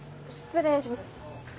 失礼します。